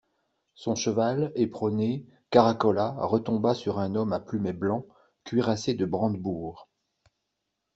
Son cheval, éperonné, caracola, retomba sur un homme à plumet blanc, cuirassé de brandebourgs.